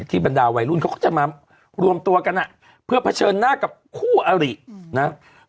บรรดาวัยรุ่นเขาก็จะมารวมตัวกันอ่ะเพื่อเผชิญหน้ากับคู่อรินะ